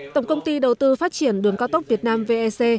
tổng công ty đầu tư phát triển đường cao tốc việt nam vec